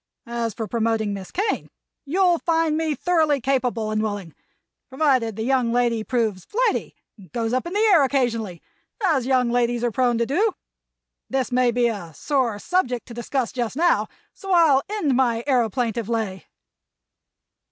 As for promoting Miss Kane, you'll find me thoroughly capable and willing—provided the young lady proves flighty and goes up in the air occasionally, as young ladies are prone to do. This may be a soar subject to discuss just now, so I'll end my aëroplaintive lay."